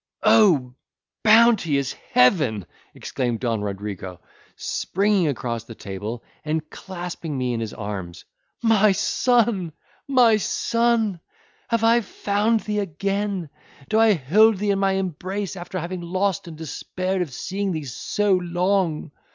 "O bounteous Heaven!" exclaimed Don Rodrigo, springing across the table, and clasping me in his arms, "my son! my son! have I found thee again? do I hold thee in my embrace, after having lost and despaired of seeing thee so long?"